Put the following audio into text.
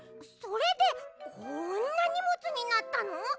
それでこんなにもつになったの？